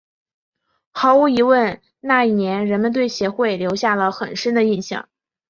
毫无疑问那一年人们对协会留下了很深的印象。